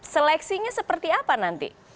seleksinya seperti apa nanti